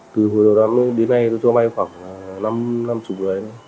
từ hồi đầu đó đến nay tôi cho vây khoảng năm mươi người